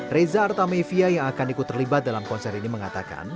reza artamevia yang akan ikut terlibat dalam konser ini mengatakan